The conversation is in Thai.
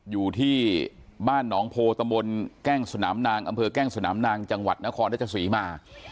อยู่ที่บ้านหนองโพตำบลแกล้งสนามนางอำเภอแกล้งสนามนางจังหวัดนครราชศรีมา